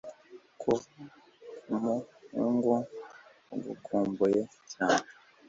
kuva kumuhungu ugukumbuye cyane